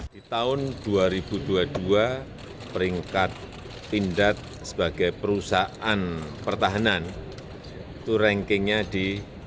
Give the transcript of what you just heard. di tahun dua ribu dua puluh dua peringkat pindad sebagai perusahaan pertahanan itu rankingnya di